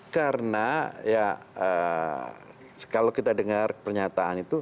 karena ya kalau kita dengar pernyataan itu